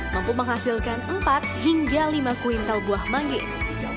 mampu menghasilkan empat hingga lima kuintal buah manggis